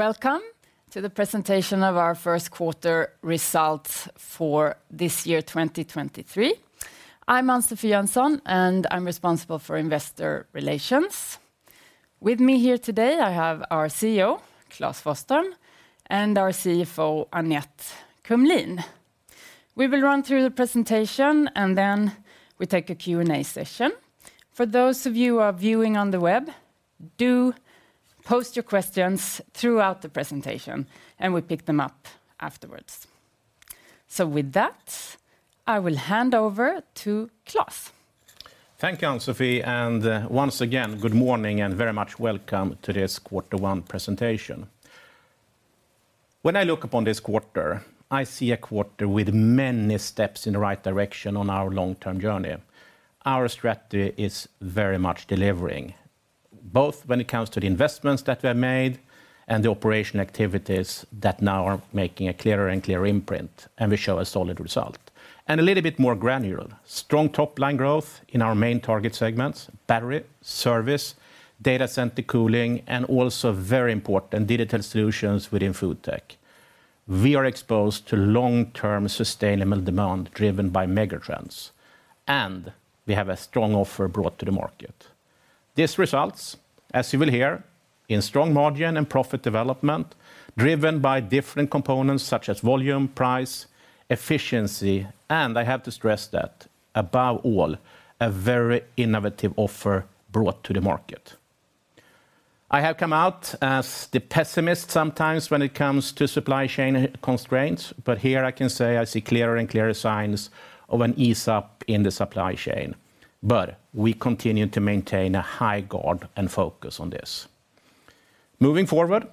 Welcome to the presentation of our first quarter results for this year, 2023. I'm Ann-Sofi Jönsson, and I'm responsible for investor relations. With me here today, I have our CEO, Klas Forsström, and our CFO, Annette Kumlien. We will run through the presentation, then we take a Q&A session. For those of you who are viewing on the web, do post your questions throughout the presentation, we pick them up afterwards. With that, I will hand over to Klas. Thank you, Ann-Sofi, and once again, good morning and very much welcome to this quarter one presentation. When I look upon this quarter, I see a quarter with many steps in the right direction on our long-term journey. Our strategy is very much delivering, both when it comes to the investments that were made and the operation activities that now are making a clearer and clearer imprint, and we show a solid result. A little bit more granular, strong top-line growth in our main target segments, battery, service, data center cooling, and also very important, digital solutions within FoodTech. We are exposed to long-term sustainable demand driven by megatrends, and we have a strong offer brought to the market. These results, as you will hear, in strong margin and profit development, driven by different components such as volume, price, efficiency. I have to stress that above all, a very innovative offer brought to the market. I have come out as the pessimist sometimes when it comes to supply chain constraints. Here I can say I see clearer and clearer signs of an ease up in the supply chain. We continue to maintain a high guard and focus on this. Moving forward,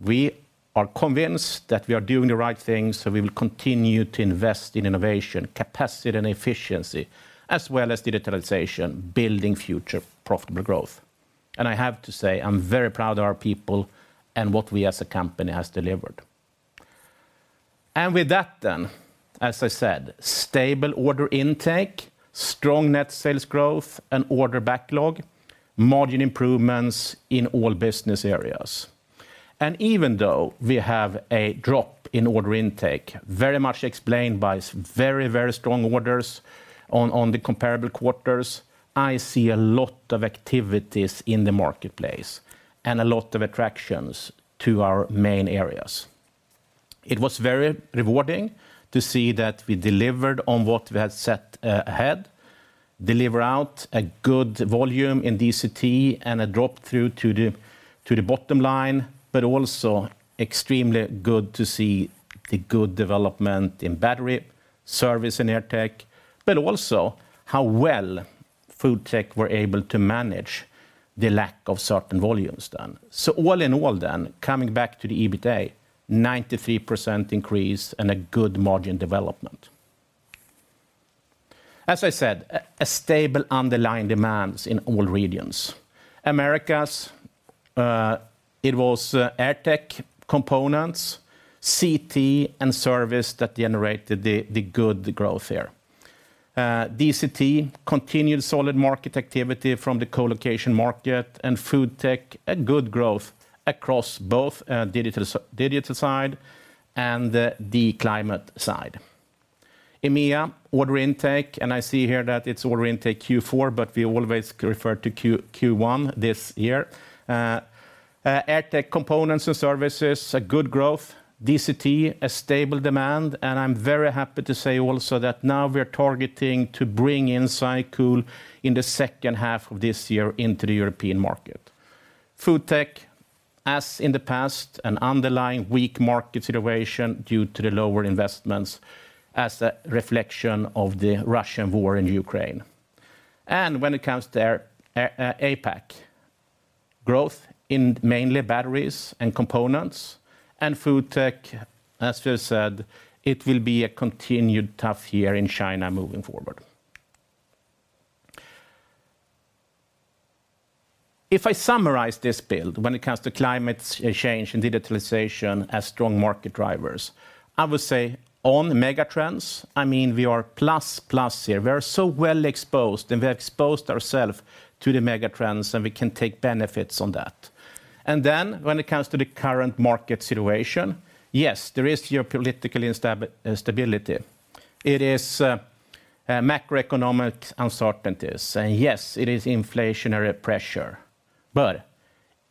we are convinced that we are doing the right things. We will continue to invest in innovation, capacity, and efficiency, as well as digitalization, building future profitable growth. I have to say, I'm very proud of our people and what we as a company has delivered. With that, as I said, stable order intake, strong net sales growth, and order backlog, margin improvements in all business areas. Even though we have a drop in order intake, very much explained by very strong orders on the comparable quarters, I see a lot of activities in the marketplace and a lot of attractions to our main areas. It was very rewarding to see that we delivered on what we had set ahead, deliver out a good volume in DCT, and a drop through to the bottom line, but also extremely good to see the good development in battery service in AirTech, but also how well FoodTech were able to manage the lack of certain volumes done. All in all, coming back to the EBITDA, 93% increase and a good margin development. As I said, a stable underlying demands in all regions. Americas, it was AirTech components, CT and service that generated the good growth here. DCT continued solid market activity from the co-location market. FoodTech, a good growth across both digital side and the climate side. EMEA order intake. I see here that it's order intake Q4, we always refer to Q1 this year. AirTech components and services, a good growth. DCT, a stable demand. I'm very happy to say also that now we're targeting to bring in SyCool in the second half of this year into the European market. FoodTech, as in the past, an underlying weak market situation due to the lower investments as a reflection of the Russian war in Ukraine. When it comes to APAC, growth in mainly batteries and components, and FoodTech, as we said, it will be a continued tough year in China moving forward. If I summarize this build when it comes to climate change and digitalization as strong market drivers, I would say on megatrends, I mean, we are plus here. We are so well exposed, and we have exposed ourselves to the megatrends, and we can take benefits on that. When it comes to the current market situation, yes, there is geopolitical instability. It is macroeconomic uncertainties, and yes, it is inflationary pressure, but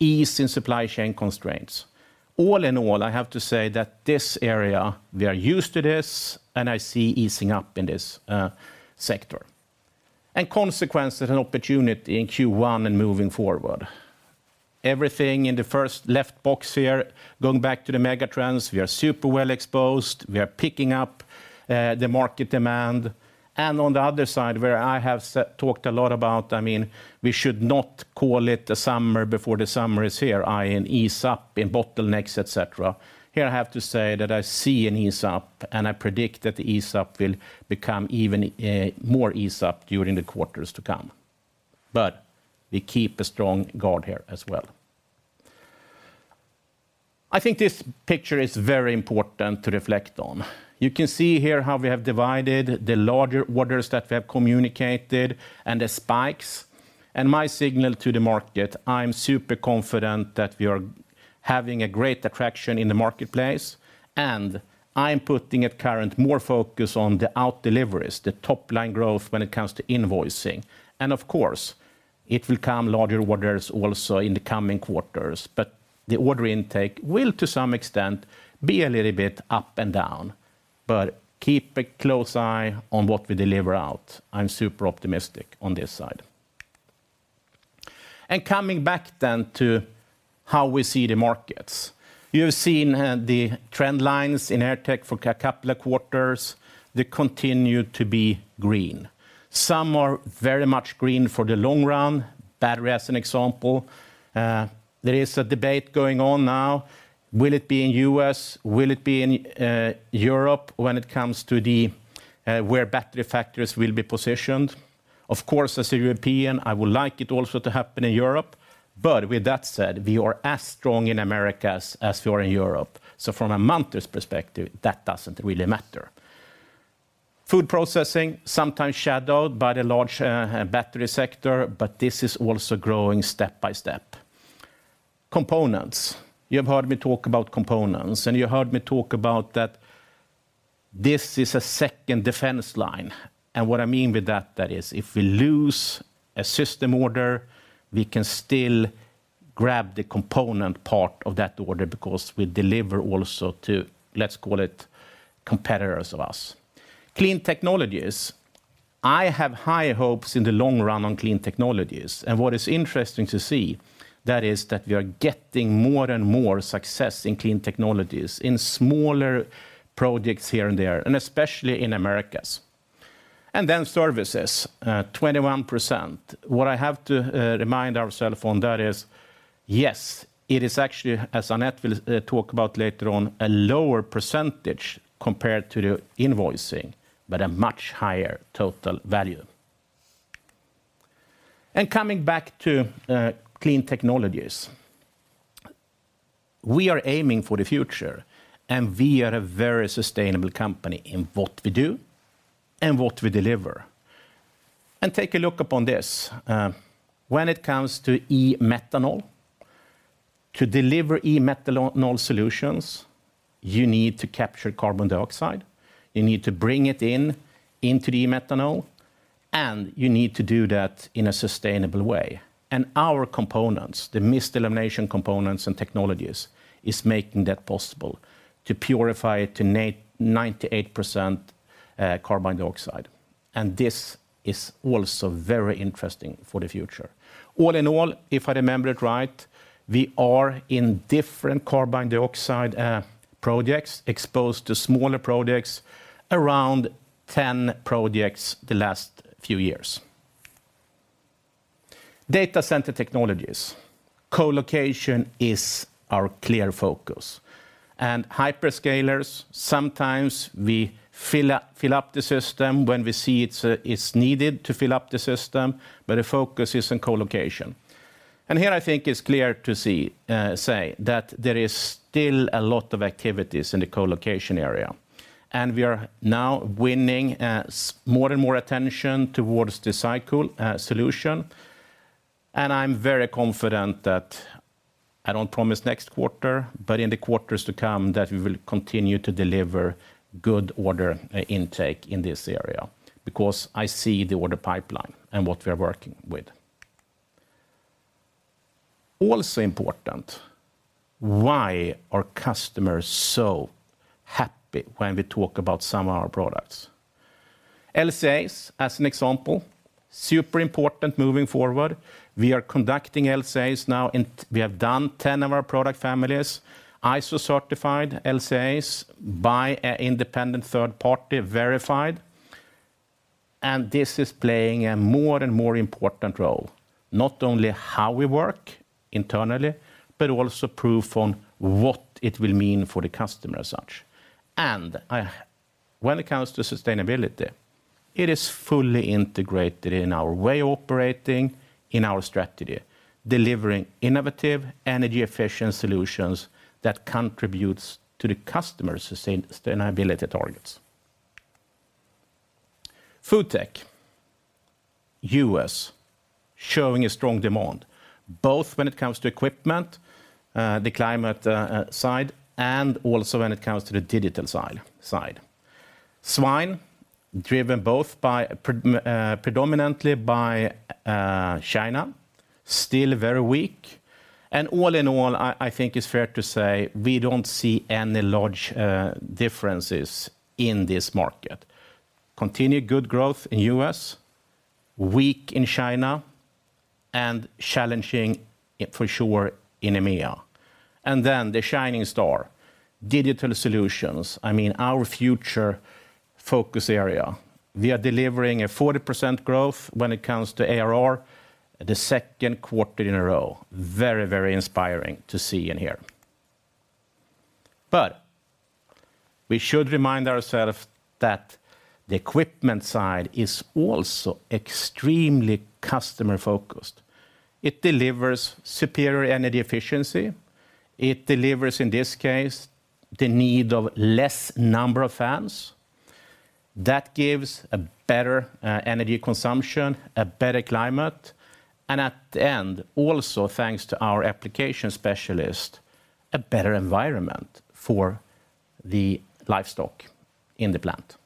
ease in supply chain constraints. All in all, I have to say that this area, we are used to this, and I see easing up in this sector. Consequence is an opportunity in Q1 and moving forward. Everything in the first left box here, going back to the megatrends, we are super well exposed. We are picking up the market demand. And on the other side, where I have talked a lot about, I mean, we should not call it the summer before the summer is here. An ease up in bottlenecks, et cetera. Here I have to say that I see an ease up, and I predict that the ease up will become even more ease up during the quarters to come. We keep a strong guard here as well. I think this picture is very important to reflect on. You can see here how we have divided the larger orders that we have communicated and the spikes. My signal to the market, I'm super confident that we are having a great attraction in the marketplace, and I'm putting at current more focus on the out deliveries, the top-line growth when it comes to invoicing. Of course, it will come larger orders also in the coming quarters. The order intake will, to some extent, be a little bit up and down. Keep a close eye on what we deliver out. I'm super optimistic on this side. Coming back to how we see the markets. You've seen the trend lines in AirTech for couple of quarters. They continue to be green. Some are very much green for the long run. Battery as an example, there is a debate going on now, will it be in U.S., will it be in Europe when it comes to the where battery factors will be positioned. Of course, as a European, I would like it also to happen in Europe. With that said, we are as strong in Americas as we are in Europe. From a Munters perspective, that doesn't really matter. Food processing, sometimes shadowed by the large battery sector, but this is also growing step by step. Components. You have heard me talk about components, and you heard me talk about that this is a second defense line. What I mean with that is if we lose a system order, we can still grab the component part of that order because we deliver also to, let's call it competitors of us. Clean technologies. I have high hopes in the long run on clean technologies. What is interesting to see that is that we are getting more and more success in clean technologies, in smaller projects here and there, and especially in Americas. Then services, 21%. What I have to remind ourself on that is, yes, it is actually, as Annette will talk about later on, a lower percentage compared to the invoicing, but a much higher total value. Coming back to clean technologies. We are aiming for the future, and we are a very sustainable company in what we do and what we deliver. Take a look upon this. When it comes to e-methanol, to deliver e-methanol solutions, you need to capture carbon dioxide, you need to bring it in into the e-methanol, and you need to do that in a sustainable way. Our components, the mist elimination components and technologies, is making that possible to purify to 98% carbon dioxide. This is also very interesting for the future. All in all, if I remember it right, we are in different carbon dioxide projects, exposed to smaller projects, around 10 projects the last few years. Data Center Technologies. Colocation is our clear focus. Hyperscalers, sometimes we fill up the system when we see it's needed to fill up the system, but the focus is in Colocation. Here I think it's clear to see, say that there is still a lot of activities in the Colocation area. We are now winning more and more attention towards the SyCool solution. I'm very confident that, I don't promise next quarter, but in the quarters to come, that we will continue to deliver good order intake in this area because I see the order pipeline and what we are working with. Also important, why are customers so happy when we talk about some of our products? LCAs, as an example, super important moving forward. We are conducting LCAs now we have done 10 of our product families, ISO-certified LCAs by an independent third party verified. This is playing a more and more important role, not only how we work internally, but also proof on what it will mean for the customer as such. When it comes to sustainability, it is fully integrated in our way operating, in our strategy, delivering innovative, energy-efficient solutions that contributes to the customer sustainability targets. FoodTech. U.S. showing a strong demand, both when it comes to equipment, the climate side, and also when it comes to the digital side. Swine, driven both by predominantly by China, still very weak. All in all, I think it's fair to say we don't see any large differences in this market. Continued good growth in US, weak in China, and challenging it for sure in EMEA. The shining star, digital solutions. I mean, our future focus area. We are delivering a 40% growth when it comes to ARR the Second quarter in a row. Very inspiring to see in here. We should remind ourself that the equipment side is also extremely customer-focused. It delivers superior energy efficiency. It delivers, in this case, the need of less number of fans. That gives a better energy consumption, a better climate, and at the end also, thanks to our application specialist, a better environment for the livestock in the plant.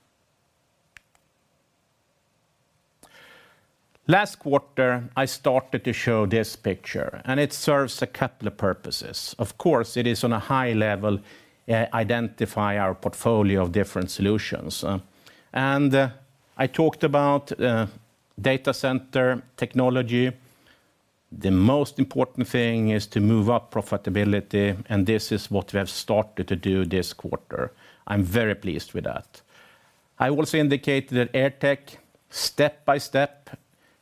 Last quarter, I started to show this picture, it serves a couple of purposes. Of course, it is on a high level, identify our portfolio of different solutions. I talked about Data Center Technologies. The most important thing is to move up profitability, and this is what we have started to do this quarter. I'm very pleased with that. I also indicated that AirTech, step by step,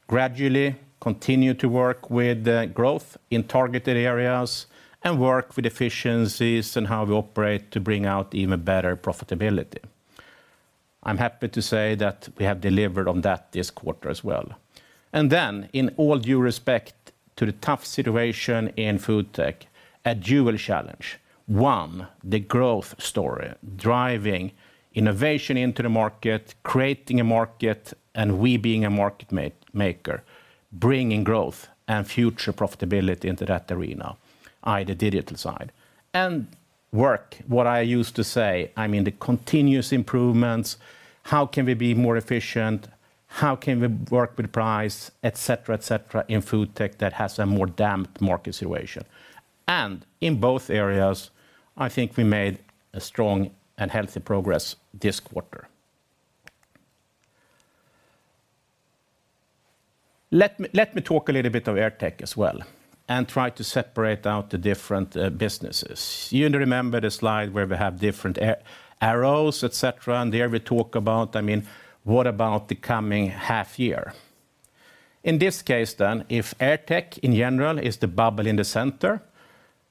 gradually continue to work with growth in targeted areas and work with efficiencies and how we operate to bring out even better profitability. I'm happy to say that we have delivered on that this quarter as well. In all due respect to the tough situation in FoodTech, a dual challenge. One, the growth story, driving innovation into the market, creating a market, and we being a market maker, bringing growth and future profitability into that arena, i.e., the digital side. Work, what I used to say, I mean the continuous improvements, how can we be more efficient, how can we work with price, et cetera, et cetera, in FoodTech that has a more damp market situation. In both areas, I think we made a strong and healthy progress this quarter. Let me talk a little bit of AirTech as well and try to separate out the different businesses. You remember the slide where we have different arrows, et cetera, there we talk about, I mean, what about the coming half year? In this case then, if AirTech in general is the bubble in the center,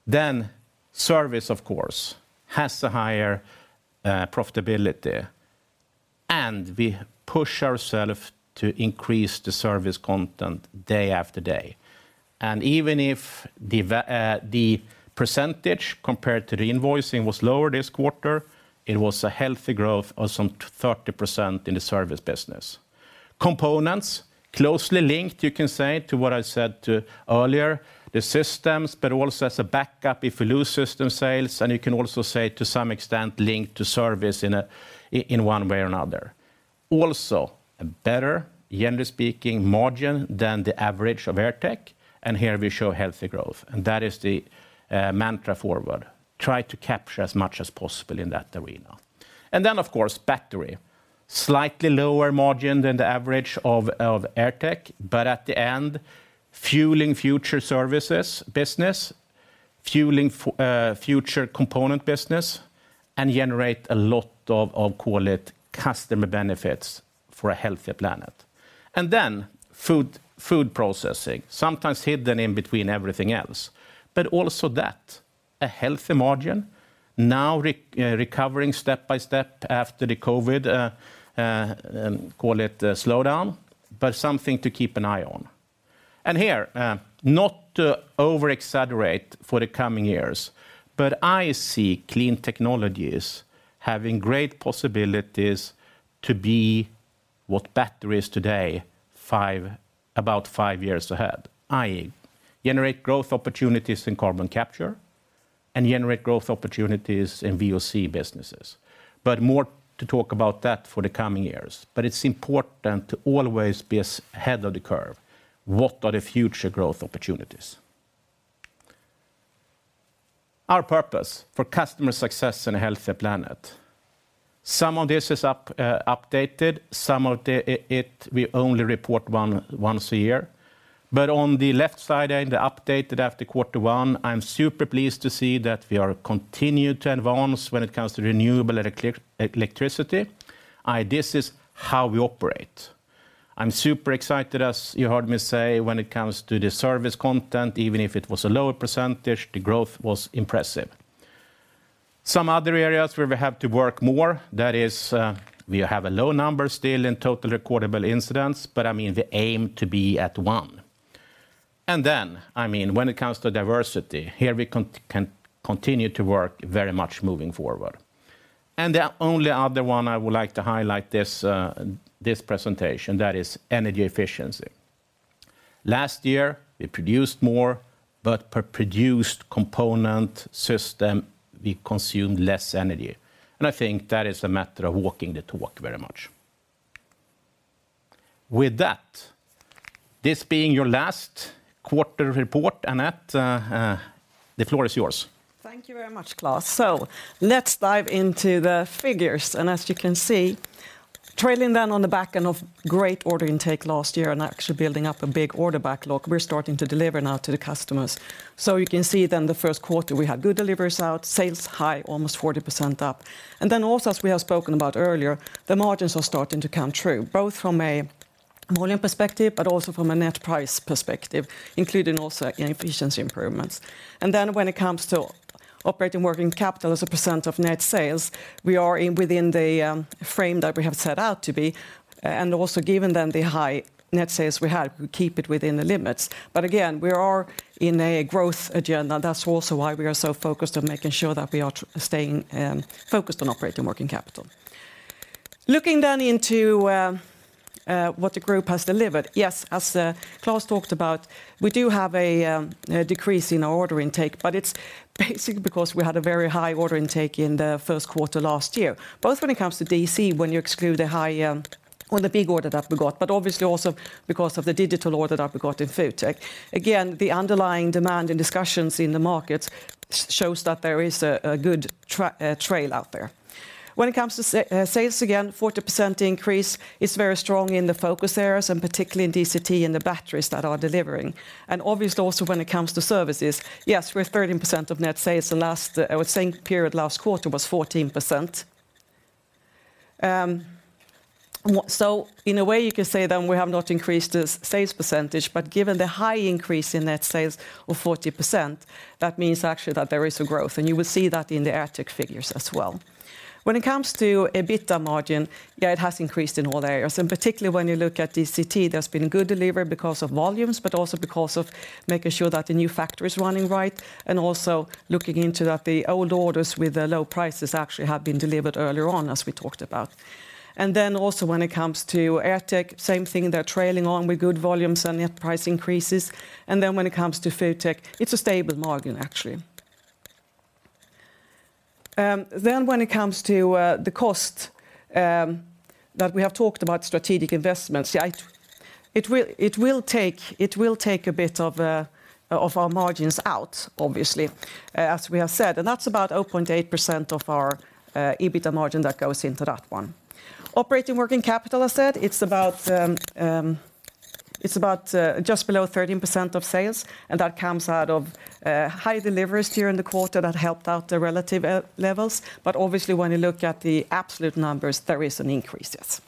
then service of course has a higher profitability, and we push ourselves to increase the service content day after day. Even if the percentage compared to the invoicing was lower this quarter, it was a healthy growth of some 30% in the service business. Components, closely linked, you can say, to what I said earlier, the systems, but also as a backup if we lose system sales, and you can also say to some extent linked to service in a, in one way or another. Also, a better, generally speaking, margin than the average of AirTech, here we show healthy growth. That is the mantra forward, try to capture as much as possible in that arena. Then of course, battery. Slightly lower margin than the average of AirTech, but at the end, fueling future services business, fueling future component business, and generate a lot of call it customer benefits for a healthier planet. FoodTech processing, sometimes hidden in between everything else. Also that, a healthy margin, now recovering step by step after the COVID slowdown, but something to keep an eye on. Here, not to over-exaggerate for the coming years, but I see clean technologies having great possibilities to be what battery is today about five years ahead, i.e., generate growth opportunities in carbon capture and generate growth opportunities in VOC businesses. More to talk about that for the coming years. It's important to always be as ahead of the curve. What are the future growth opportunities? Our purpose: for customer success and a healthier planet. Some of this is updated. Some of the it we only report once a year. But on the left side in the updated after quarter one, I'm super pleased to see that we are continued to advance when it comes to renewable electricity. This is how we operate. I'm super excited, as you heard me say, when it comes to the service content, even if it was a lower percentage, the growth was impressive. Some other areas where we have to work more, that is, we have a low number still in total recordable incidents, but I mean, the aim to be at one. And then, I mean, when it comes to diversity, here we can continue to work very much moving forward. The only other one I would like to highlight this presentation, that is energy efficiency. Last year, we produced more, but per produced component system, we consumed less energy. I think that is a matter of walking the talk very much. With that, this being your last quarter report, Annette, the floor is yours. Thank you very much, Klas. Let's dive into the figures. As you can see, trailing down on the back end of great order intake last year and actually building up a big order backlog, we're starting to deliver now to the customers. You can see the first quarter, we had good deliveries out, sales high, almost 40% up. Also, as we have spoken about earlier, the margins are starting to come true, both from a volume perspective, but also from a net price perspective, including also efficiency improvements. When it comes to operating working capital as a percent of net sales, we are within the frame that we have set out to be, and also given the high net sales we had, we keep it within the limits. Again, we are in a growth agenda. That's also why we are so focused on making sure that we are staying focused on operating working capital. Looking into what the group has delivered. As Klas talked about, we do have a decrease in our order intake, but it's basically because we had a very high order intake in the first quarter last year, both when it comes to DC, when you exclude a high or the big order that we got, but obviously also because of the digital order that we got in FoodTech. The underlying demand and discussions in the markets shows that there is a good trail out there. When it comes to sales again, 40% increase is very strong in the focus areas, and particularly in DCT and the batteries that are delivering. Obviously also when it comes to services. Yes, we're at 13% of net sales. The last, I would say, period last quarter was 14%. So in a way you can say then we have not increased the sales percentage, but given the high increase in net sales of 40%, that means actually that there is a growth, and you will see that in the AirTech figures as well. When it comes to EBITDA margin, yeah, it has increased in all areas. Particularly when you look at DCT, there's been good delivery because of volumes, but also because of making sure that the new factory is running right and also looking into that the old orders with the low prices actually have been delivered earlier on, as we talked about. Also when it comes to AirTech, same thing, they're trailing on with good volumes and net price increases. When it comes to FoodTech, it's a stable margin, actually. When it comes to the cost that we have talked about strategic investments. Yeah, it will take a bit of our margins out, obviously, as we have said, and that's about 0.8% of our EBITDA margin that goes into that one. Operating working capital, as said, it's about, it's about just below 13% of sales, and that comes out of high deliveries here in the quarter that helped out the relative levels. Obviously, when you look at the absolute numbers, there is an increase, yes.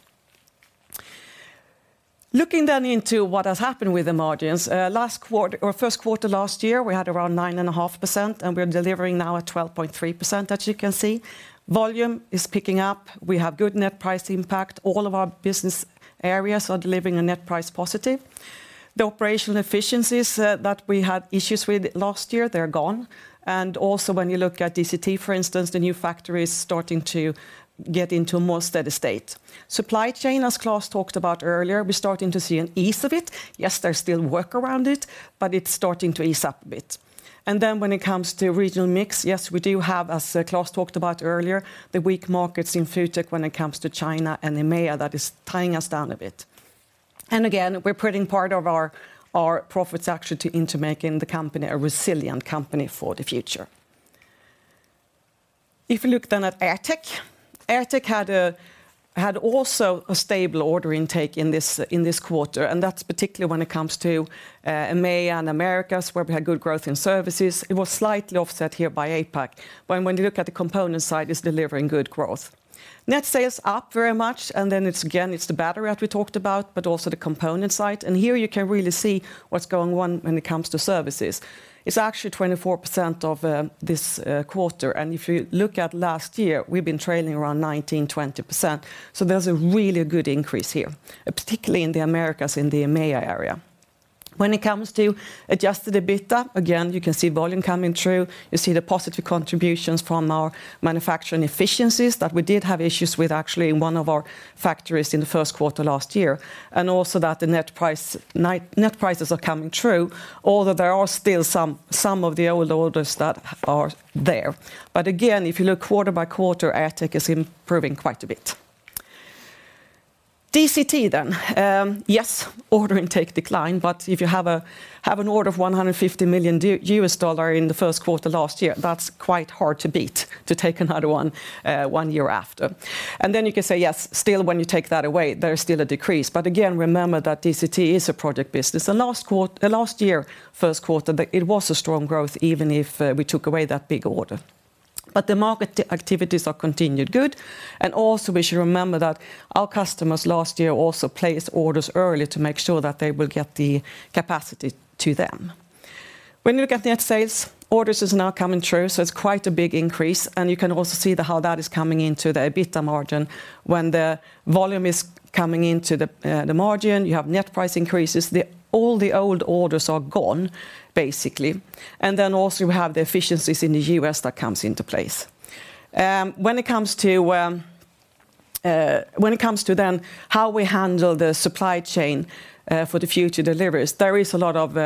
Looking into what has happened with the margins. First quarter last year, we had around 9.5%, We're delivering now at 12.3%, as you can see. Volume is picking up. We have good net price impact. All of our business areas are delivering a net price positive. The operational efficiencies that we had issues with last year, they're gone. When you look at DCT, for instance, the new factory is starting to get into a more steady state. Supply chain, as Klas talked about earlier, we're starting to see an ease of it. Yes, there's still work around it, but it's starting to ease up a bit. When it comes to regional mix, yes, we do have, as Klas talked about earlier, the weak markets in FoodTech when it comes to China and EMEA that is tying us down a bit. Again, we're putting part of our profits actually into making the company a resilient company for the future. If you look at AirTech. AirTech had also a stable order intake in this quarter, that's particularly when it comes to EMEA and Americas, where we had good growth in services. It was slightly offset here by APAC. When you look at the component side, it's delivering good growth. Net sales up very much. It's, again, it's the battery that we talked about, but also the component side. Here you can really see what's going on when it comes to services. It's actually 24% of this quarter. If you look at last year, we've been trailing around 19%, 20%. There's a really good increase here, particularly in the Americas, in the EMEA area. When it comes to adjusted EBITDA, again, you can see volume coming through. You see the positive contributions from our manufacturing efficiencies that we did have issues with actually in one of our factories in the first quarter last year. Also that the net prices are coming through, although there are still some of the old orders that are there. Again, if you look quarter-by-quarter, AirTech is improving quite a bit. DCT. Yes, order intake declined, if you have an order of $150 million in the first quarter last year, that's quite hard to beat, to take another one year after. You can say, yes, still, when you take that away, there is still a decrease. Remember that DCT is a project business. The last year, first quarter, it was a strong growth, even if we took away that big order. The market activities are continued good. We should remember that our customers last year also placed orders early to make sure that they will get the capacity to them. When you look at net sales, orders is now coming through, so it's quite a big increase. You can also see how that is coming into the EBITDA margin. When the volume is coming into the margin, you have net price increases. All the old orders are gone, basically. We have the efficiencies in the U.S. that comes into place. When it comes to, when it comes to then how we handle the supply chain, for the future deliveries, there is a lot of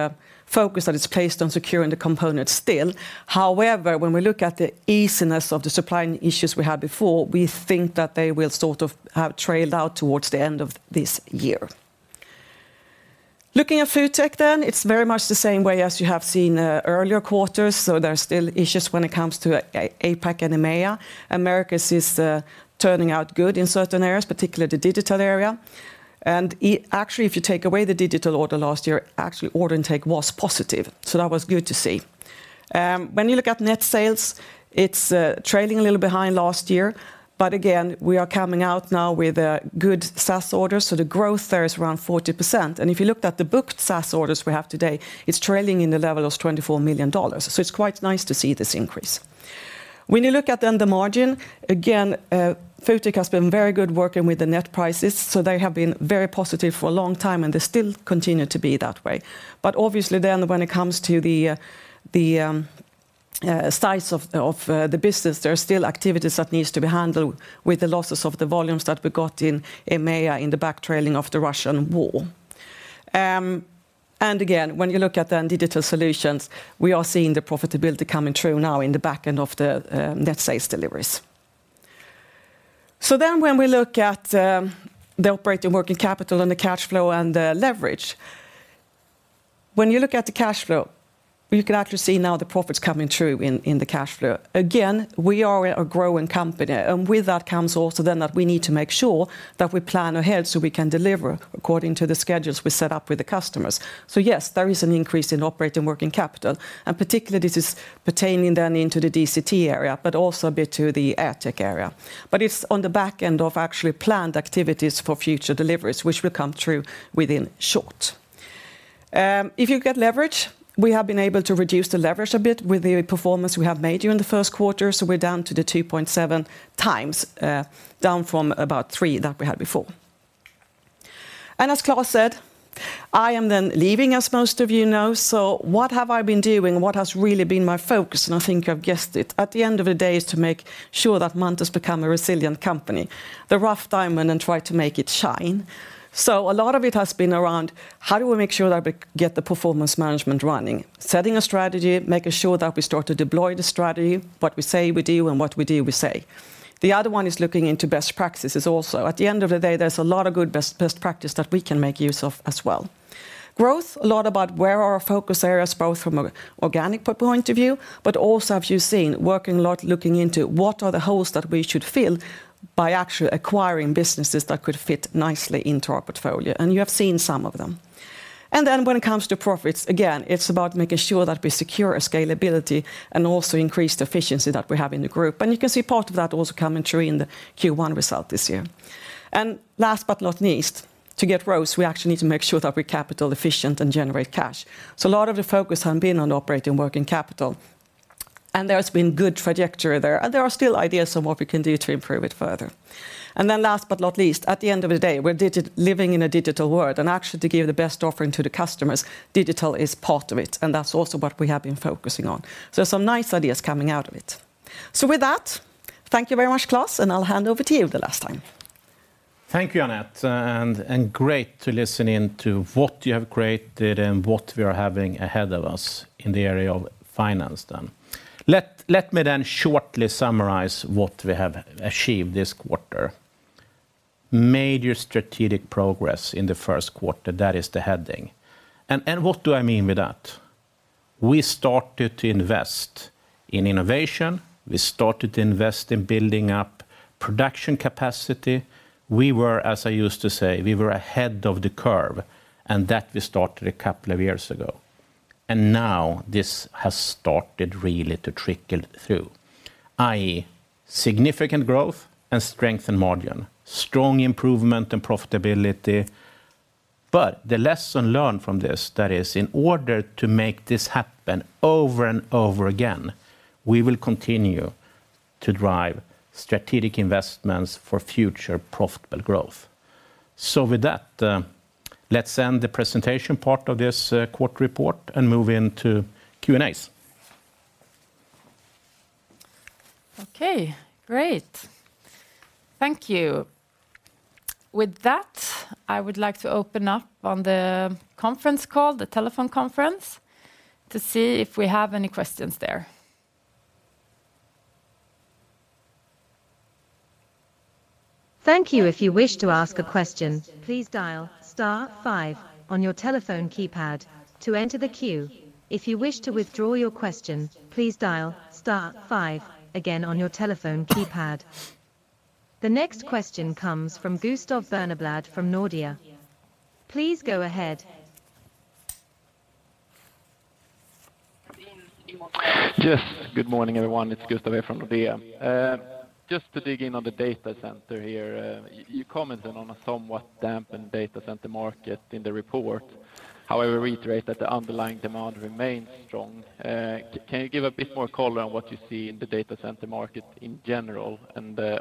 focus that is placed on securing the components still. However, when we look at the easiness of the supply and issues we had before, we think that they will sort of have trailed out towards the end of this year. Looking at FoodTech then, it's very much the same way as you have seen, earlier quarters. There are still issues when it comes to APAC and EMEA. Americas is turning out good in certain areas, particularly the digital area. Actually, if you take away the digital order last year, actually order intake was positive. That was good to see. When you look at net sales, it's trailing a little behind last year. Again, we are coming out now with a good SaaS order, so the growth there is around 40%. If you looked at the booked SaaS orders we have today, it's trailing in the level of $24 million. It's quite nice to see this increase. When you look at then the margin, again, FoodTech has been very good working with the net prices, so they have been very positive for a long time, and they still continue to be that way. Obviously then when it comes to the size of the business, there are still activities that needs to be handled with the losses of the volumes that we got in EMEA in the back trailing of the Russian war. Again, when you look at the digital solutions, we are seeing the profitability coming through now in the back end of the net sales deliveries. When we look at the operating working capital and the cash flow and the leverage, when you look at the cash flow, you can actually see now the profits coming through in the cash flow. Again, we are a growing company, and with that comes also then that we need to make sure that we plan ahead so we can deliver according to the schedules we set up with the customers. Yes, there is an increase in operating working capital, and particularly this is pertaining then into the DCT area, but also a bit to the AirTech area. It's on the back end of actually planned activities for future deliveries, which will come through within short. If you get leverage, we have been able to reduce the leverage a bit with the performance we have made during the first quarter, so we're down to the 2.7x, down from about three that we had before. As Klas said, I am then leaving, as most of you know. What have I been doing? What has really been my focus? I think you've guessed it. At the end of the day is to make sure that Munters become a resilient company, the rough diamond, and try to make it shine. A lot of it has been around how do we make sure that we get the performance management running, setting a strategy, making sure that we start to deploy the strategy, what we say we do and what we do we say. The other one is looking into best practices also. At the end of the day, there's a lot of good best practice that we can make use of as well. Growth, a lot about where are our focus areas, both from a organic point of view, but also have you seen working a lot looking into what are the holes that we should fill by actually acquiring businesses that could fit nicely into our portfolio, and you have seen some of them. When it comes to profits, again, it's about making sure that we secure a scalability and also increase the efficiency that we have in the group. You can see part of that also coming through in the Q1 result this year. Last but not least, to get growth, we actually need to make sure that we're capital efficient and generate cash. A lot of the focus has been on operating working capital, and there's been good trajectory there, and there are still ideas on what we can do to improve it further. Last but not least, at the end of the day, we're living in a digital world, and actually to give the best offering to the customers, digital is part of it, and that's also what we have been focusing on. Some nice ideas coming out of it. With that, thank you very much, Klas, and I'll hand over to you the last time. Thank you, Anette, and great to listen in to what you have created and what we are having ahead of us in the area of finance then. Let me then shortly summarize what we have achieved this quarter. Major strategic progress in the first quarter, that is the heading. What do I mean by that? We started to invest in innovation. We started to invest in building up production capacity. We were, as I used to say, we were ahead of the curve, and that we started a couple of years ago. Now this has started really to trickle through, i.e., significant growth and strength in margin, strong improvement in profitability. The lesson learned from this, that is in order to make this happen over and over again, we will continue to drive strategic investments for future profitable growth. With that, let's end the presentation part of this, quarter report and move into Q&As. Okay, great. Thank you. With that, I would like to open up on the conference call, the telephone conference, to see if we have any questions there. Thank you. If you wish to ask a question, please dial star five on your telephone keypad to enter the queue. If you wish to withdraw your question, please dial star five again on your telephone keypad. The next question comes from Gustav Berneblad from Nordea. Please go ahead. Yes. Good morning, everyone. It's Gustav from Nordea. Just to dig in on the data center here. You commented on a somewhat dampened data center market in the report. However, reiterate that the underlying demand remains strong. Can you give a bit more color on what you see in the data center market in general?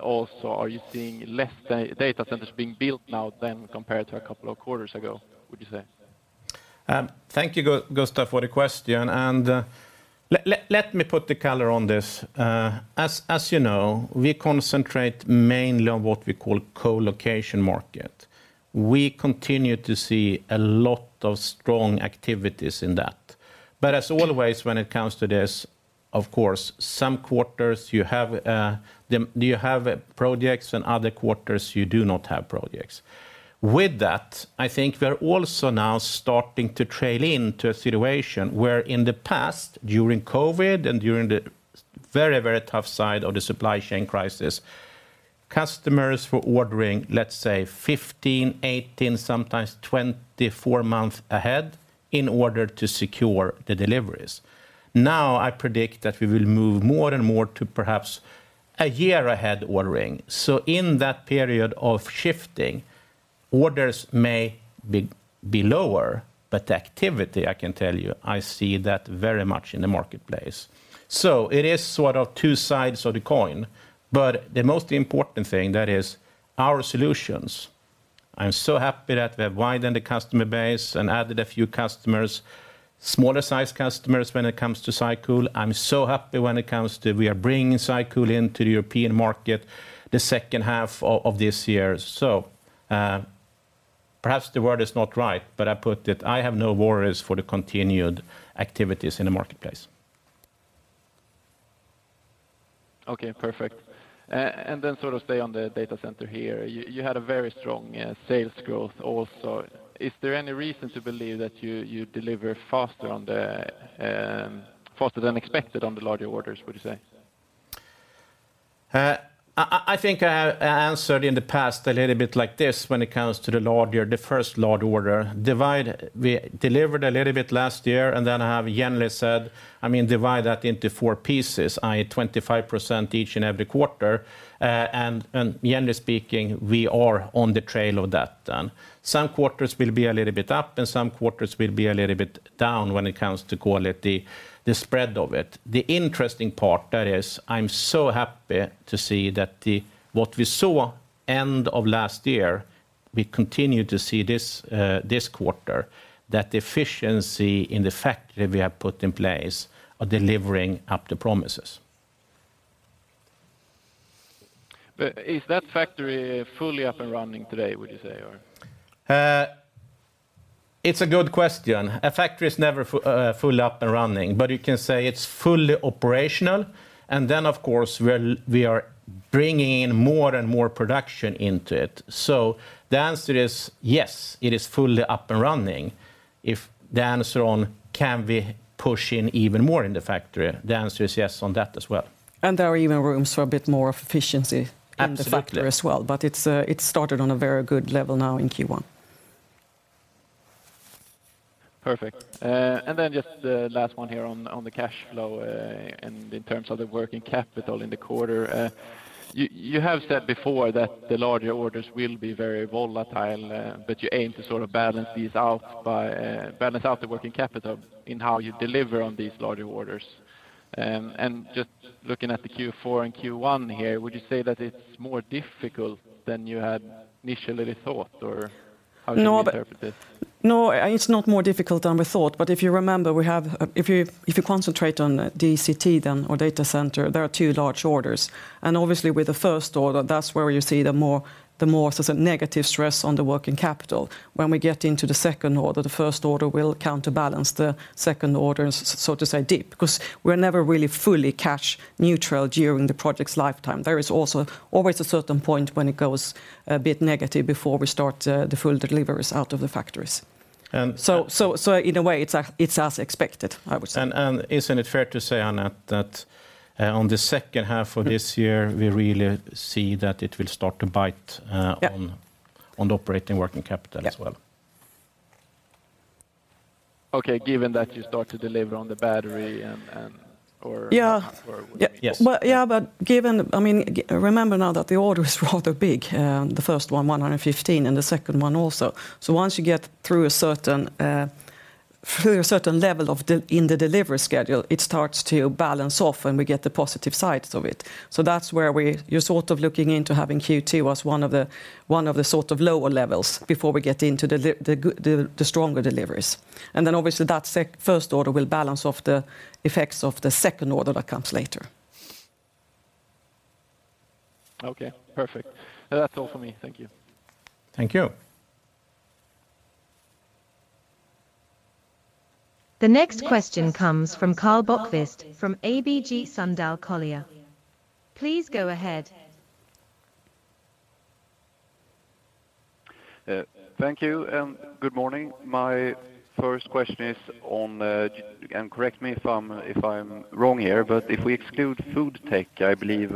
Also, are you seeing less data centers being built now than compared to a couple of quarters ago, would you say? Thank you, Gustav, for the question. Let me put the color on this. As you know, we concentrate mainly on what we call co-location market. We continue to see a lot of strong activities in that. As always, when it comes to this, of course, some quarters you have projects and other quarters you do not have projects. With that, I think we're also now starting to trail into a situation where in the past, during COVID and during the very, very tough side of the supply chain crisis, customers were ordering, let's say, 15, 18, sometimes 24 months ahead in order to secure the deliveries. Now, I predict that we will move more and more to perhaps a year ahead ordering. In that period of shifting, orders may be lower, but the activity, I can tell you, I see that very much in the marketplace. It is sort of two sides of the coin, but the most important thing, that is our solutions. I'm so happy that we have widened the customer base and added a few customers, smaller sized customers when it comes to SyCool. I'm so happy when it comes to we are bringing SyCool into the European market the second half of this year. Perhaps the word is not right, but I put it, I have no worries for the continued activities in the marketplace. Okay, perfect. Sort of stay on the data center here. You had a very strong sales growth also. Is there any reason to believe that you deliver faster on the faster than expected on the larger orders, would you say? I think I answered in the past a little bit like this when it comes to the larger, the first large order. We delivered a little bit last year. I have generally said, I mean, divide that into four pieces, i.e. 25% each and every quarter. Generally speaking, we are on the trail of that then. Some quarters will be a little bit up, and some quarters will be a little bit down when it comes to call it the spread of it. The interesting part that is I'm so happy to see that what we saw end of last year, we continue to see this this quarter, that the efficiency in the factory we have put in place are delivering up the promises. Is that factory fully up and running today, would you say, or? It's a good question. A factory is never fully up and running, but you can say it's fully operational. Of course we are bringing in more and more production into it. The answer is yes, it is fully up and running. If the answer on can we push in even more in the factory, the answer is yes on that as well. There are even rooms for a bit more efficiency. Absolutely in the factory as well. It's, it started on a very good level now in Q1. Perfect. Just, last one here on the cash flow, and in terms of the working capital in the quarter, you have said before that the larger orders will be very volatile, but you aim to sort of balance these out by balance out the working capital in how you deliver on these larger orders. Just looking at the Q4 and Q1 here, would you say that it's more difficult than you had initially thought, or how should we interpret it? No, it's not more difficult than we thought. If you remember, if you concentrate on DCT then or data center, there are two large orders. Obviously with the first order, that's where you see the more sort of negative stress on the working capital. When we get into the second order, the first order will counterbalance the second order, so to say, deep, because we're never really fully cash neutral during the project's lifetime. There is also always a certain point when it goes a bit negative before we start, the full deliveries out of the factories. And- In a way, it's as expected, I would say. Isn't it fair to say, Annette, that on the second half of this year, we really see that it will start to bite? Yeah on the operating working capital as well? Yeah. Okay, given that you start to deliver on the battery and. Yeah. Yes. Yeah, but given, I mean, remember now that the order is rather big. The first one, [115], and the second one also. Once you get through a certain, through a certain level in the delivery schedule, it starts to balance off, and we get the positive sides of it. That's where we, you're sort of looking into having Q2 as one of the, one of the sort of lower levels before we get into the stronger deliveries. Obviously that first order will balance off the effects of the second order that comes later. Okay, perfect. That's all for me. Thank you. Thank you. The next question comes from Karl Bokvist from ABG Sundal Collier. Please go ahead. Thank you and good morning. My first question is on, correct me if I'm wrong here, but if we exclude FoodTech, I believe,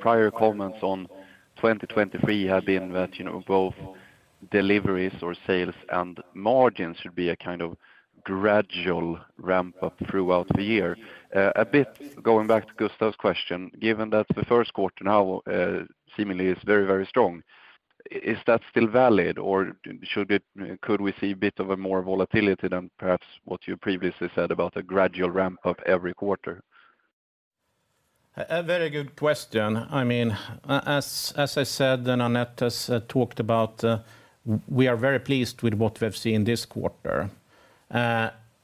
prior comments on 2023 have been that, you know, both deliveries or sales and margins should be a kind of gradual ramp up throughout the year. A bit going back to Gustav's question, given that the first quarter now, seemingly is very, very strong, is that still valid, or could we see a bit of a more volatility than perhaps what you previously said about a gradual ramp up every quarter? A very good question. I mean, as I said, Annette has talked about, we are very pleased with what we have seen this quarter.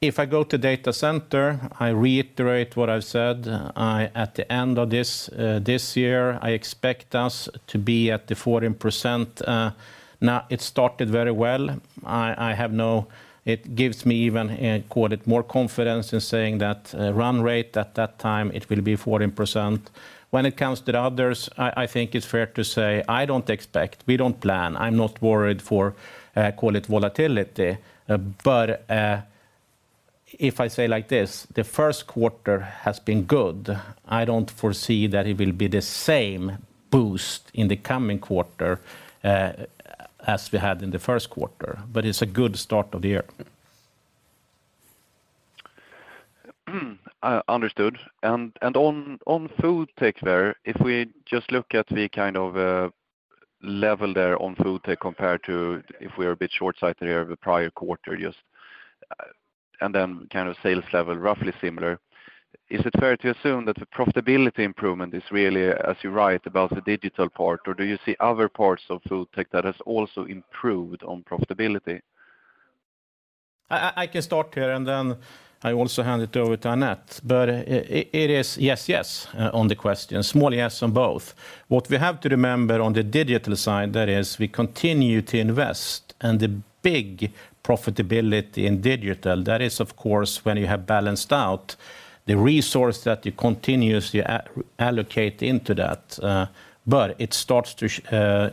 If I go to Data Center, I reiterate what I've said. At the end of this year, I expect us to be at the 14%. Now it started very well. It gives me even, "more confidence" in saying that, run rate at that time, it will be 14%. When it comes to the others, I think it's fair to say I don't expect, we don't plan, I'm not worried for, call it volatility. If I say like this, the first quarter has been good.I don't foresee that it will be the same boost in the coming quarter, as we had in the first quarter. It's a good start of the year. Understood. On FoodTech there, if we just look at the kind of level there on FoodTech compared to if we're a bit shortsighted here the prior quarter, just and then kind of sales level roughly similar. Is it fair to assume that the profitability improvement is really, as you write about the digital part, or do you see other parts of FoodTech that has also improved on profitability? I can start here, and then I also hand it over to Annette. It is yes, on the question, small yes on both. What we have to remember on the digital side, that is we continue to invest and the big profitability in digital, that is, of course, when you have balanced out the resource that you continuously allocate into that, but it starts to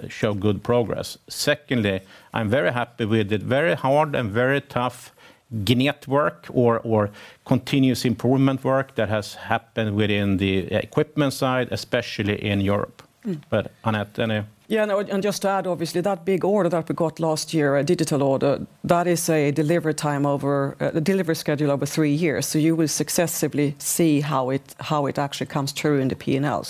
show good progress. Secondly, I'm very happy with the very hard and very tough network or continuous improvement work that has happened within the equipment side, especially in Europe. Annette, any? Yeah. Just to add, obviously, that big order that we got last year, a digital order, that is a delivery time over the delivery schedule over three years. You will successively see how it actually comes through in the P&L.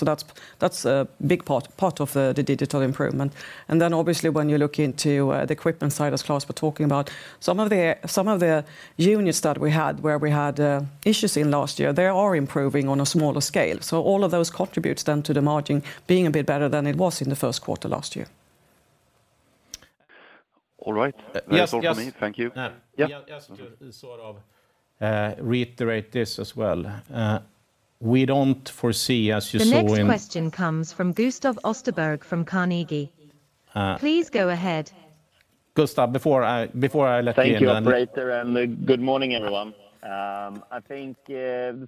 That's a big part of the digital improvement. Obviously, when you look into the equipment side, as Klas was talking about, some of the units that we had where we had issues in last year, they are improving on a smaller scale. All of those contributes then to the margin being a bit better than it was in the first quarter last year. All right. That is all for me. Thank you. Yes, yes. Yeah. Just to sort of, reiterate this as well. We don't foresee, as you saw. The next question comes from Gustav Österberg from Carnegie. Please go ahead. Gustav, before I let you in. Thank you, operator. Good morning, everyone. I think,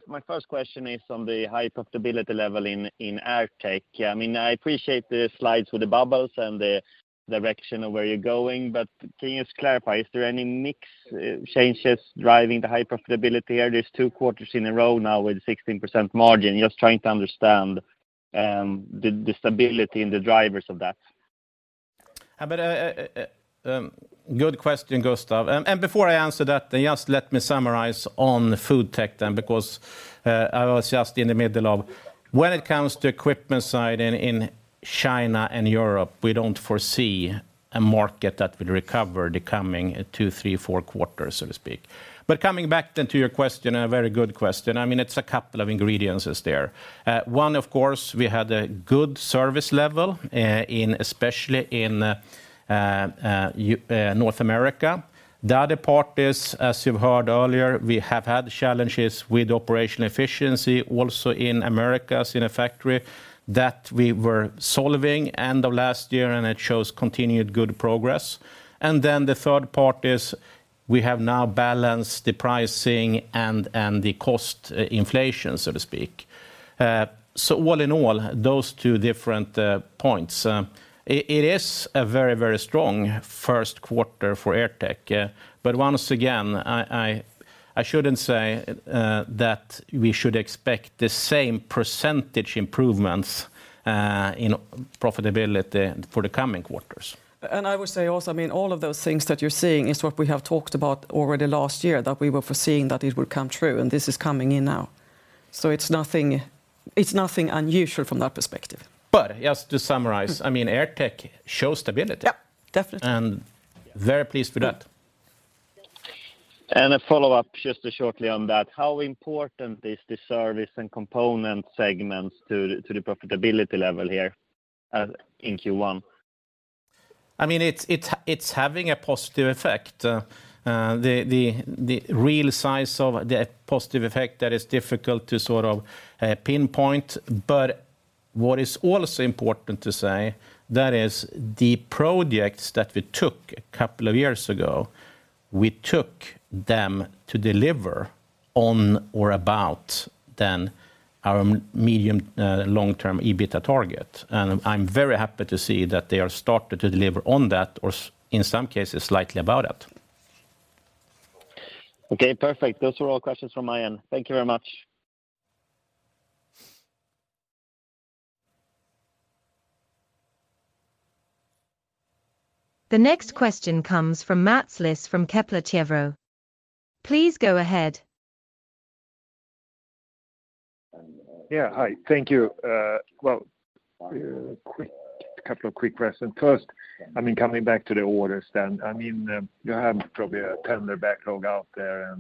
my first question is on the high profitability level in AirTech. I mean, I appreciate the slides with the bubbles and the direction of where you're going. Can you just clarify, is there any mix, changes driving the high profitability here? There's two quarters in a row now with 16% margin. Just trying to understand, the stability and the drivers of that. Good question, Gustav. Before I answer that, just let me summarize on FoodTech then, because when it comes to equipment side in China and Europe, we don't foresee a market that will recover the coming two, three, four quarters, so to speak. Coming back then to your question, a very good question. I mean, it's a couple of ingredients there. One, of course, we had a good service level, especially in North America. The other part is, as you've heard earlier, we have had challenges with operational efficiency also in Americas, in a factory that we were solving end of last year, and it shows continued good progress. The third part is we have now balanced the pricing and the cost inflation, so to speak. All in all, those two different points. It is a very, very strong first quarter for AirTech. Once again, I shouldn't say that we should expect the same percentage improvements in profitability for the coming quarters. I would say also, I mean, all of those things that you're seeing is what we have talked about already last year, that we were foreseeing that it would come true, and this is coming in now. It's nothing, it's nothing unusual from that perspective. Just to summarize, I mean, AirTech shows stability. Yeah, definitely. Very pleased with that. A follow-up just shortly on that. How important is the service and component segments to the profitability level here, in Q1? I mean, it's having a positive effect. The real size of the positive effect, that is difficult to sort of pinpoint. What is also important to say, that is the projects that we took a couple of years ago, we took them to deliver on or about then our medium long-term EBITDA target. I'm very happy to see that they are starting to deliver on that or in some cases, slightly above that. Okay, perfect. Those were all questions from my end. Thank you very much. The next question comes from Mats Liss from Kepler Cheuvreux. Please go ahead. Yeah. Hi. Thank you. Well, couple of quick questions. First, I mean, coming back to the orders then. I mean, you have probably a tender backlog out there,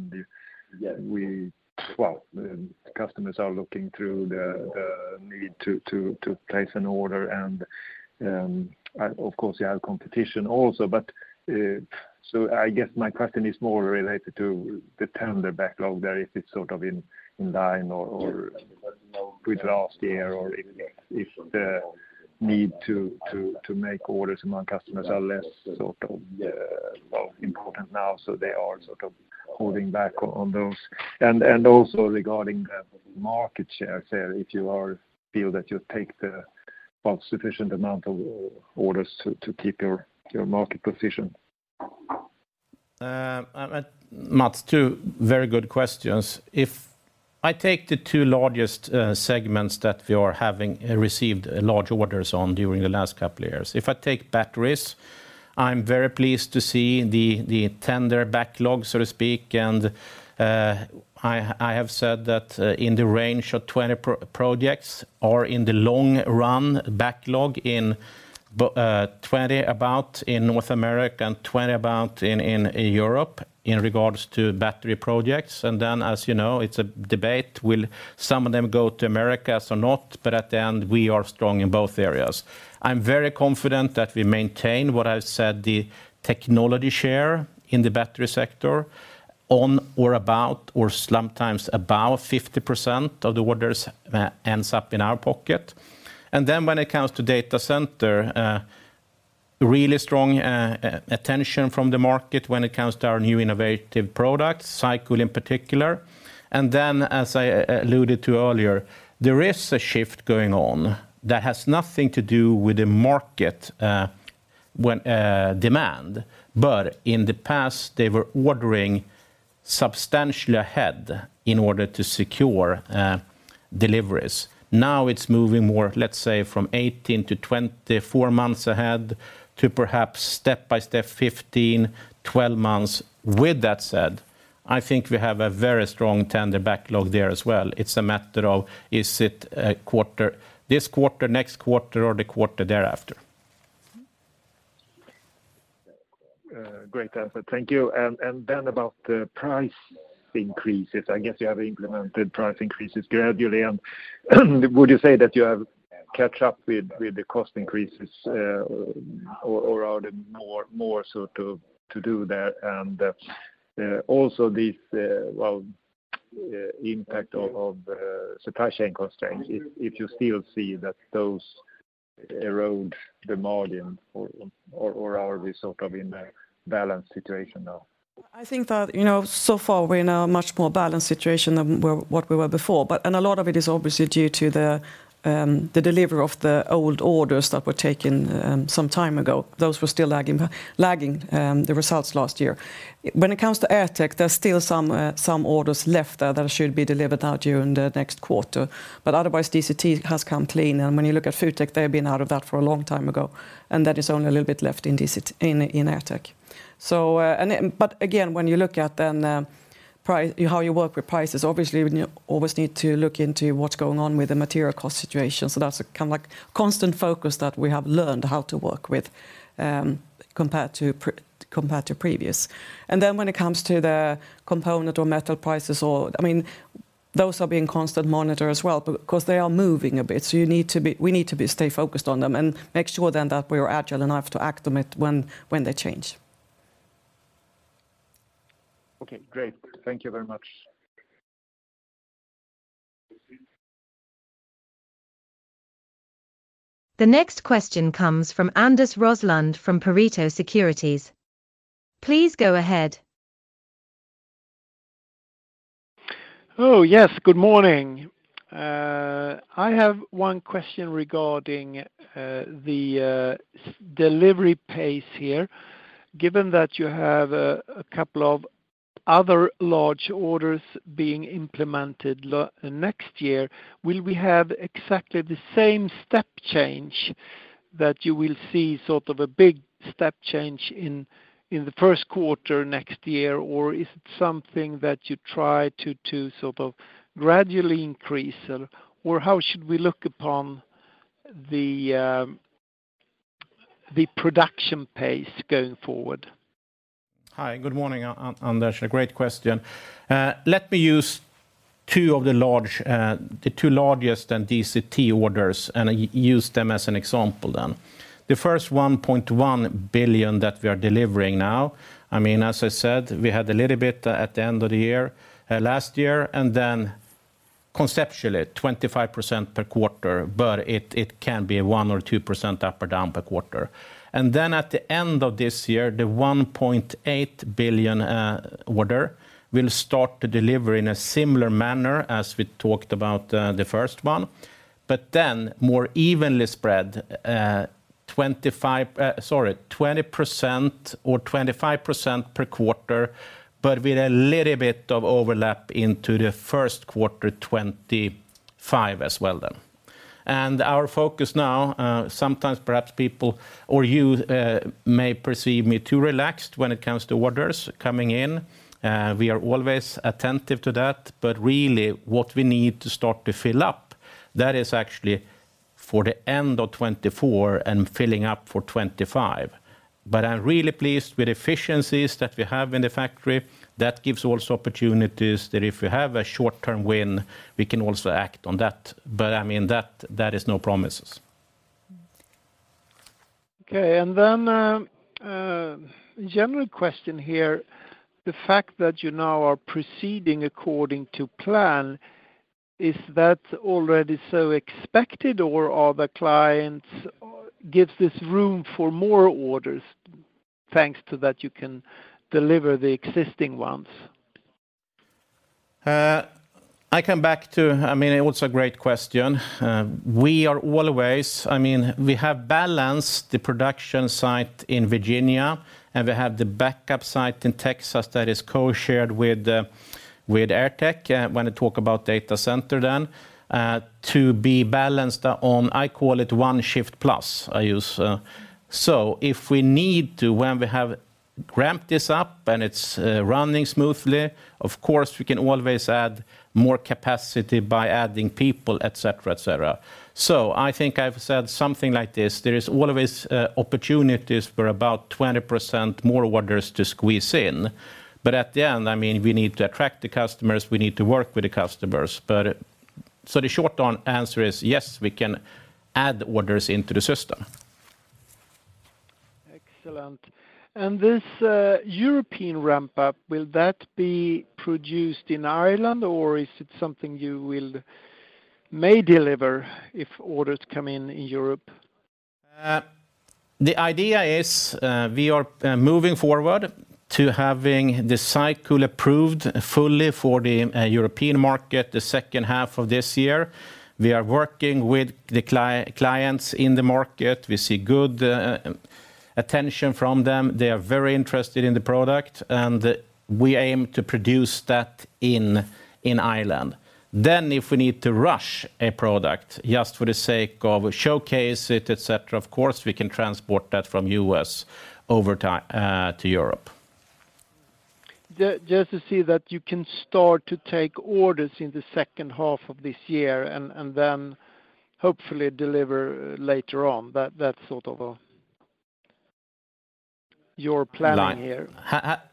well, customers are looking through the need to place an order. Of course, you have competition also. I guess my question is more related to the tender backlog there, if it's sort of in line or with last year or if the need to make orders among customers are less sort of important now, so they are sort of holding back on those. Also regarding the market share there, if you feel that you take the, well, sufficient amount of orders to keep your market position. Mats, two very good questions. If I take the two largest segments that we are having received large orders on during the last couple of years. If I take batteries, I'm very pleased to see the tender backlog, so to speak. I have said that in the range of 20 projects are in the long run backlog, 20 about in North America and 20 about in Europe in regards to battery projects. As you know, it's a debate, will some of them go to Americas or not? At the end, we are strong in both areas. I'm very confident that we maintain what I've said, the technology share in the battery sector on or about or sometimes about 50% of the orders ends up in our pocket. When it comes to data center, really strong attention from the market when it comes to our new innovative products, SyCool in particular. As I alluded to earlier, there is a shift going on that has nothing to do with the market when demand. In the past, they were ordering substantially ahead in order to secure deliveries. Now it's moving more, let's say, from 18-24 months ahead to perhaps step by step, 15, 12 months. With that said, I think we have a very strong tender backlog there as well. It's a matter of is it a quarter, this quarter, next quarter, or the quarter thereafter. Great answer. Thank you. Then about the price increases, I guess you have implemented price increases gradually. Would you say that you have catch up with the cost increases, or are there more so to do there? Also this, well, impact of supply chain constraints, if you still see that those erode the margin or are we sort of in a balanced situation now? I think that, you know, so far we're in a much more balanced situation than we were before. A lot of it is obviously due to the delivery of the old orders that were taken some time ago. Those were still lagging the results last year. When it comes to AirTech, there's still some orders left there that should be delivered out during the next quarter. Otherwise, DCT has come clean. When you look at FoodTech, they've been out of that for a long time ago, and that is only a little bit left in AirTech. But again, when you look at then how you work with prices, obviously you always need to look into what's going on with the material cost situation. That's a kind of like constant focus that we have learned how to work with, compared to previous. When it comes to the component or metal prices or, I mean, those are being constant monitor as well because they are moving a bit, so we need to be stay focused on them and make sure then that we are agile enough to act on it when they change. Okay, great. Thank you very much. The next question comes from Anders Roslund from Pareto Securities. Please go ahead. Yes. Good morning. I have one question regarding the delivery pace here. Given that you have a couple of other large orders being implemented next year, will we have exactly the same step change that you will see sort of a big step change in the first quarter next year? Is it something that you try to sort of gradually increase? How should we look upon the production pace going forward? Hi, good morning, Anders. A great question. Let me use two of the large, the two largest DCT orders, and I use them as an example then. The first 1.1 billion that we are delivering now, I mean, as I said, we had a little bit at the end of the year last year, conceptually 25% per quarter, but it can be 1% or 2% up or down per quarter. At the end of this year, the 1.8 billion order will start to deliver in a similar manner as we talked about the first one. More evenly spread, 20% or 25% per quarter, but with a little bit of overlap into the first quarter 2025 as well then. Our focus now, sometimes perhaps people or you may perceive me too relaxed when it comes to orders coming in. We are always attentive to that, really what we need to start to fill up, that is actually for the end of 2024 and filling up for 2025. I'm really pleased with efficiencies that we have in the factory. That gives also opportunities that if we have a short-term win, we can also act on that. I mean, that is no promises. Okay. General question here. The fact that you now are proceeding according to plan, is that already so expected, or are the clients gives this room for more orders thanks to that you can deliver the existing ones? I come back to, I mean, also a great question. I mean, we have balanced the production site in Virginia, and we have the backup site in Texas that is co-shared with AirTech, when I talk about data center then, to be balanced on, I call it one shift plus I use. If we need to, when we have ramped this up and it's running smoothly, of course, we can always add more capacity by adding people, et cetera, et cetera. I think I've said something like this, there is always opportunities for about 20% more orders to squeeze in. At the end, I mean, we need to attract the customers, we need to work with the customers. The short term answer is yes, we can add orders into the system. Excellent. This European ramp up, will that be produced in Ireland or is it something you will may deliver if orders come in in Europe? The idea is, we are moving forward to having the SyCool approved fully for the European market the second half of this year. We are working with the clients in the market. We see good attention from them. They are very interested in the product, and we aim to produce that in Ireland. If we need to rush a product just for the sake of showcase it, et cetera, of course, we can transport that from U.S. over to Europe. Just to see that you can start to take orders in the second half of this year and then hopefully deliver later on. That's sort of your planning here.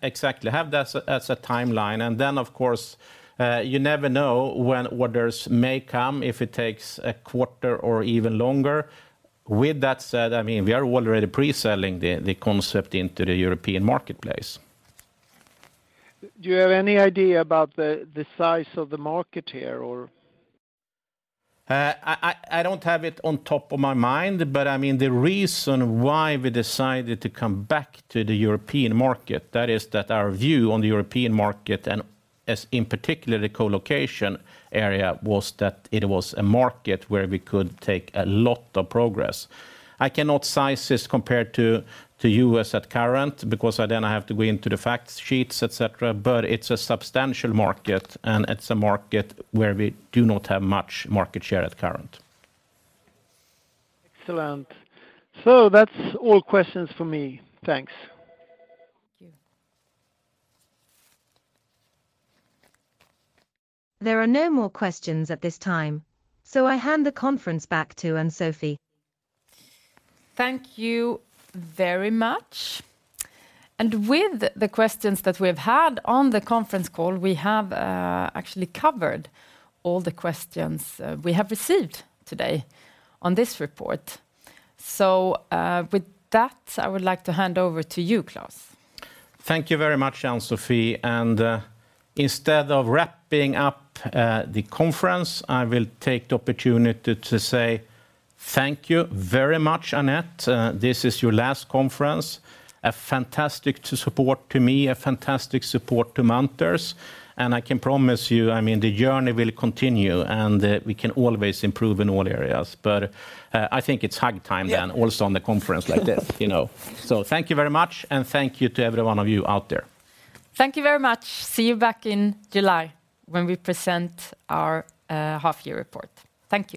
Exactly. Have that as a, as a timeline. Then of course, you never know when orders may come if it takes a quarter or even longer. With that said, I mean, we are already pre-selling the concept into the European marketplace. Do you have any idea about the size of the market here or? I don't have it on top of my mind, I mean, the reason why we decided to come back to the European market, that is that our view on the European market and as in particular the co-location area was that it was a market where we could take a lot of progress. I cannot size this compared to U.S. at current because then I have to go into the fact sheets, et cetera. It's a substantial market, and it's a market where we do not have much market share at current. Excellent. That's all questions for me. Thanks. There are no more questions at this time, so I hand the conference back to Ann-Sofi. Thank you very much. With the questions that we've had on the conference call, we have actually covered all the questions we have received today on this report. With that, I would like to hand over to you, Klas. Thank you very much, Ann-Sofi. Instead of wrapping up the conference, I will take the opportunity to say thank you very much, Anette. This is your last conference. A fantastic to support to me, a fantastic support to Munters. I can promise you, I mean, the journey will continue, and we can always improve in all areas. I think it's hug time then also on the conference like this, you know. Thank you very much, and thank you to every one of you out there. Thank you very much. See you back in July when we present our half year report. Thank you.